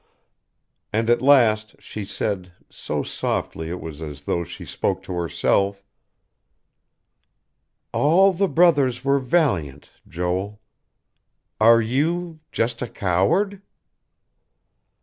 And at last she said, so softly it was as though she spoke to herself: "'All the brothers were valiant,' Joel. Are you just a coward?"